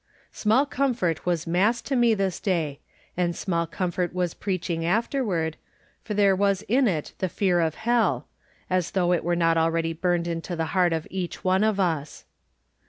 Small comfort was mass to me this day, and small comfort the preaching afterwardf for there was in it the fear of hell ^as though it were not already burned into the heart of each one of us!